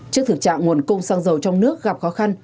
trước thực trạng nguồn cung xăng dầu trong nước gặp khó khăn